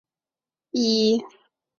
奇尼清真寺位于该地。